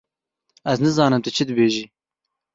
Ez nizanim tu çi dibêjî.